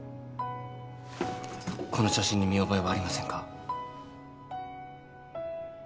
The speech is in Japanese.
この写真に見覚えはありませんか？